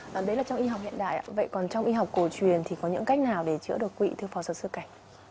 đấy là trong y học hiện đại ạ vậy còn trong y học cổ truyền thì có những cách nào để chữa đồ quỵ thư phò sở sư cảnh